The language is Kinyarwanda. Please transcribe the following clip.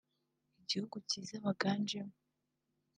igihugu cyiza baganjemo